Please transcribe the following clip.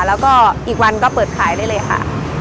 แล้วก็อีกวันก็เปิดขายได้เลยค่ะ